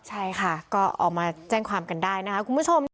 ใช่ค่ะก็ออกมาแจ้งความกันได้นะคะคุณผู้ชม